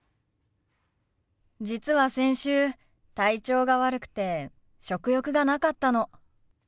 実は先週体調が悪くて食欲がなかったの。